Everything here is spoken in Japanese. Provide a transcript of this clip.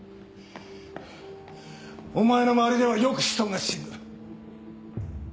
お前の周りではよく人が死ぬ。